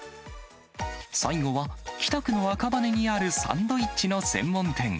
最後は北区の赤羽にあるサンドイッチの専門店。